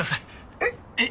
えっ？えっ？